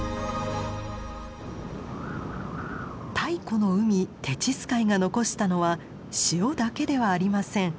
太古の海テチス海が残したのは塩だけではありません。